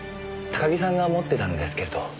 高木さんが持ってたんですけど。